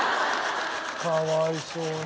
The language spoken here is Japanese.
かわいそうに。